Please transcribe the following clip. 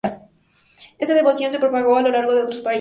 Esta devoción se propagó a lo largo de otros países.